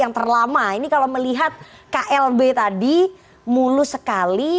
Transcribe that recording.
yang terlama ini kalau melihat klb tadi mulus sekali